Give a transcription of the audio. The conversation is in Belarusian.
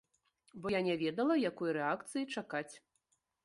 Бо я не ведала, якой рэакцыі чакаць.